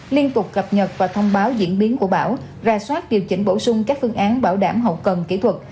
liên tục cập nhật và thông báo diễn biến của bão ra soát điều chỉnh bổ sung các phương án bảo đảm hậu cần kỹ thuật